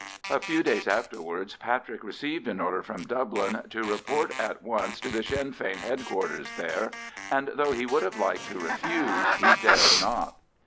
A few days afterwards Patrick received an order from Dublin to report at once to the Sinn Fein H.Q.'s there, and though he would have liked to refuse, he dared not.